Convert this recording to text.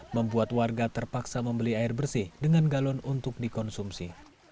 membuat warga terpaksa membeli air bersih dengan galon untuk dikonsumsi